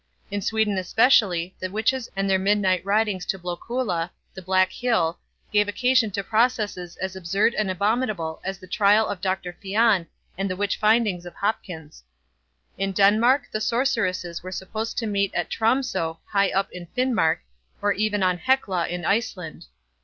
In Sweden especially, the witches and their midnight ridings to Blokulla, the black hill, gave occasion to processes as absurd and abominable as the trial of Dr. Fian and the witch findings of Hopkins. In Denmark, the sorceresses were supposed to meet at Tromsoe high up in Finmark, or even on Heckla in Iceland.